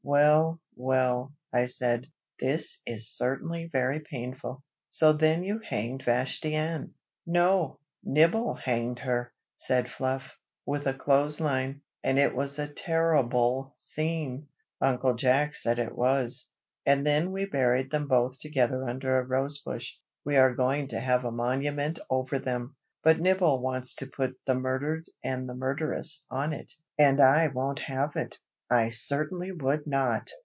"Well! well!" I said. "This is certainly very painful. So then you hanged Vashti Ann?" "No, Nibble hanged her," said Fluff, "with a clothesline, and it was a terribul scene, Uncle Jack said it was. And then we buried them both together under a rose bush. We are going to have a monument over them, but Nibble wants to put 'the Murdered and the Murderess' on it, and I won't have it." "I certainly would not!"